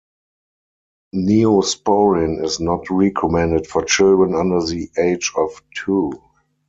Neosporin is not recommended for children under the age of two.